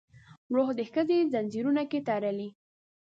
روح د ښځې ځنځیرونو کې تړلی